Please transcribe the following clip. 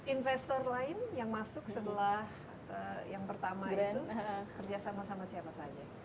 investor lain yang masuk setelah yang pertama itu kerja sama sama siapa saja